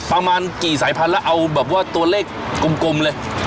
ประมาณกี่สายพันธุ์แล้วเอาแบบว่าตัวเลขกลมเลย